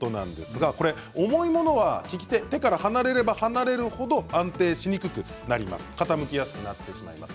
重いものは手から離れれば離れる程安定しにくくなり傾きやすくなります。